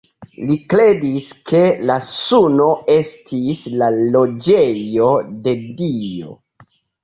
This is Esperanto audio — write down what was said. Li kredis ke la suno estis la loĝejo de Dio.